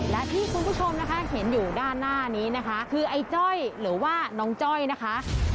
และที่คุณผู้ชมนะคะเห็นอยู่ด้านหน้านี้นะคะคือไอ้จ้อยหรือว่าน้องจ้อยนะคะ